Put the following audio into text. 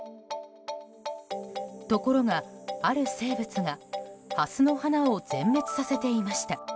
ところが、ある生物がハスの花を全滅させていました。